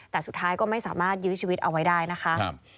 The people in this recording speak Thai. แต่สุดท้ายก็ไม่สามารถยื้อชีวิตเอาไว้ได้นะคะ